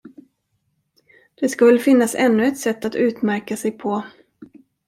Det ska väl finnas ännu ett sätt att utmärka sig på.